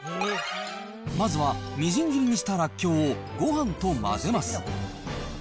まずはみじん切りにしたらっきょうをごはんと混ぜます。